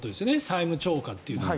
債務超過っていうのは。